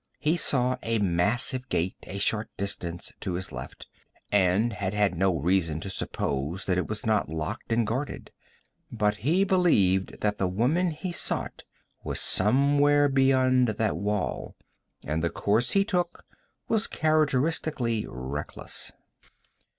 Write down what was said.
He saw a massive gate a short distance to his left, and had had no reason to suppose that it was not locked and guarded. But he believed that the woman he sought was somewhere beyond that wall, and the course he took was characteristically reckless.